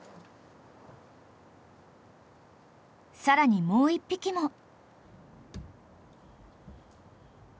［さらにもう１匹も］